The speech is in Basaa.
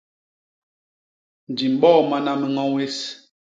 Di mboomana miño ñwés.